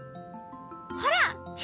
ほら。